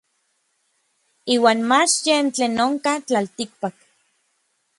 Iuan mach yen tlen onkaj tlaltikpak.